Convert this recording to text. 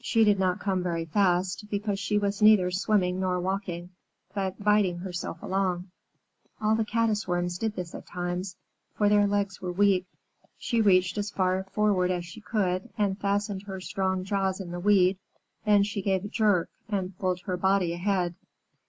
She did not come very fast, because she was neither swimming nor walking, but biting herself along. All the Caddis Worms did this at times, for their legs were weak. She reached as far forward as she could, and fastened her strong jaws in the weed, then she gave a jerk and pulled her body ahead.